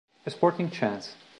A Sporting Chance